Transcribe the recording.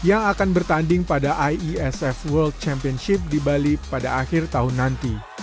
yang akan bertanding pada iesf world championship di bali pada akhir tahun nanti